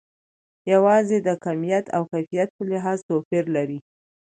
یوازې د کمیت او کیفیت په لحاظ توپیر لري.